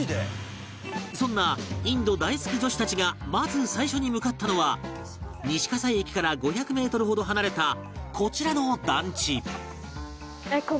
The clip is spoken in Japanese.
そんなインド大好き女子たちがまず最初に向かったのは西葛西駅から５００メートルほど離れたこちらの団地